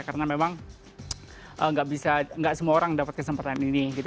karena memang nggak semua orang dapat kesempatan ini